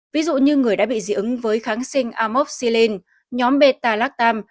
ví dụ như người đã bị dị ứng với kháng sinh amoxilin nhóm beta lactam